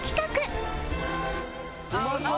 うまそう！